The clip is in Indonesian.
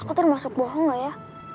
aku tuh udah masuk bohong gak ya